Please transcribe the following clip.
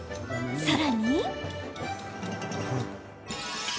さらに。